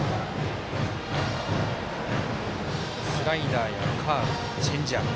スライダーやカーブチェンジアップ。